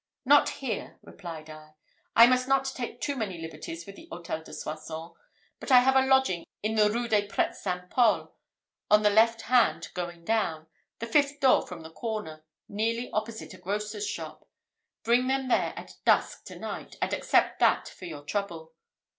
"Not here," replied I; "I must not take too many liberties with the Hôtel de Soissons. But I have a lodging in the Rue des Prêtres St. Paul, on the left hand going down, the fifth door from the corner, nearly opposite a grocer's shop. Bring them there at dusk to night, and accept that for your trouble."